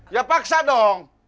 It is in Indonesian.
ya paksa dong